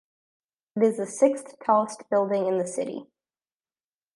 It is the sixth-tallest building in the city.